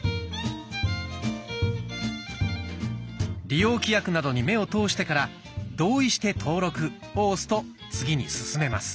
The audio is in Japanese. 利用規約などに目を通してから「同意して登録」を押すと次に進めます。